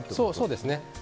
そうですね。